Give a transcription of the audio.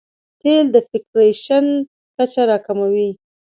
تېل د فریکشن کچه راکموي.